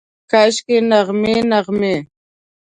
کاشکي، نغمې، نغمې